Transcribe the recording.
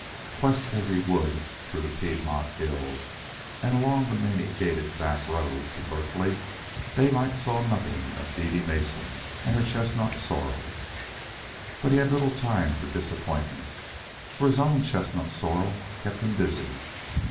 Quest as he would through the Piedmont hills and along the many gated back road to Berkeley, Daylight saw nothing of Dede Mason and her chestnut sorrel. But he had little time for disappointment, for his own chestnut sorrel kept him busy.